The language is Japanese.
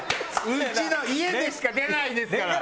うちの家でしか出ないですから。